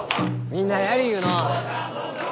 みんなやりゆうのう。